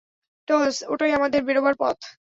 Tales, ওটাই আমাদের বেরোবার পথ।